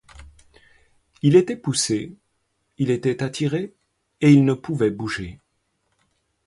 Il était poussé, il était attiré, et il ne pouvait bouger.